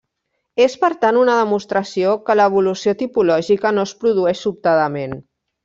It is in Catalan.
És, per tant, una demostració que l'evolució tipològica no es produeix sobtadament.